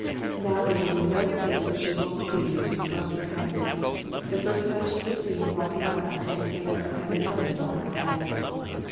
"Now there will be no place where she won't be!" groaned the family, the first time she was seen walking about with an air of having done it all her life.